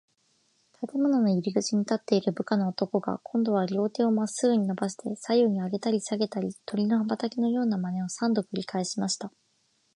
建物の入口に立っている部下の男が、こんどは両手をまっすぐにのばして、左右にあげたりさげたり、鳥の羽ばたきのようなまねを、三度くりかえしました。